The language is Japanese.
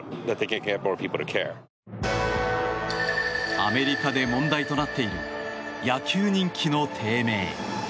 アメリカで問題となっている野球人気の低迷。